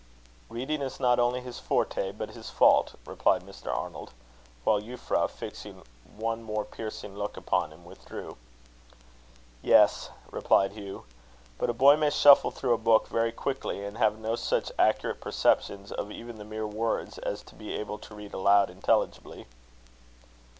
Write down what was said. "Reading is not only his forte but his fault," replied Mr. Arnold; while Euphra, fixing one more piercing look upon him, withdrew. "Yes," responded Hugh; "but a boy may shuffle through a book very quickly, and have no such accurate perceptions of even the mere words, as to be able to read aloud intelligibly."